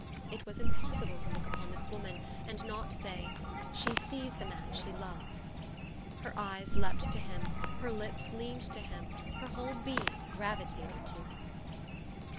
It was impossible to look upon t'lis woman, and not say, " She sees the man she loves." Her eyes leaped to him; her lips leaned to him ; her whole being gravitated to him.